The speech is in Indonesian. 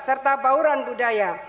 serta bauran budaya